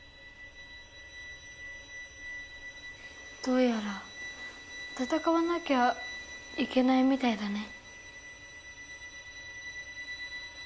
どうやらたたかわなきゃいけないみたいだね。